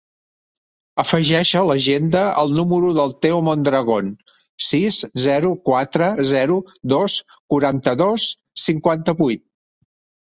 Afegeix a l'agenda el número del Teo Mondragon: sis, zero, quatre, zero, dos, quaranta-dos, cinquanta-vuit.